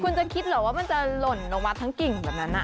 คุณจะคิดเหรอว่ามันจะหล่นลงมาทั้งกิ่งแบบนั้น